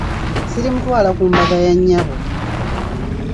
Sirimutwala ku mbaga ya nnyabo.